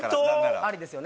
ありですよね。